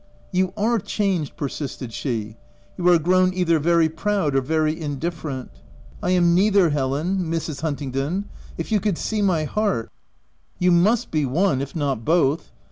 " You are changed/' persisted she — u you are grown either very proud or very indif ferent." "I am neither, Helen — Mrs. Huntingdon. If you could see my heart —"" You must be one,— if not both.